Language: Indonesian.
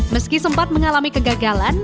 meski sempat mengalami kegagalan